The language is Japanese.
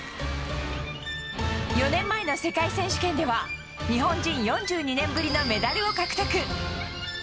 ４年前の世界選手権では日本人４２年ぶりのメダルを獲得。